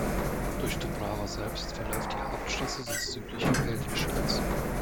Durch Dubrava selbst verläuft die Hauptstraße des südlichen Pelješac.